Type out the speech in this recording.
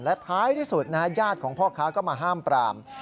และท้ายที่สุดนะฮะญาติของพ่อค้าก็มาห้ามปราม